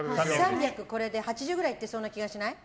これで３８０くらいいってそうな気がしない？